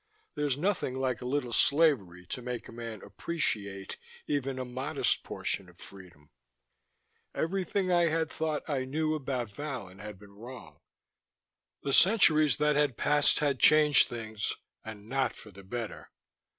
There's nothing like a little slavery to make a man appreciate even a modest portion of freedom. Everything I had thought I knew about Vallon had been wrong: the centuries that had passed had changed things and not for the better.